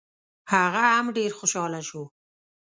هغه هم ډېر خوشحاله شو.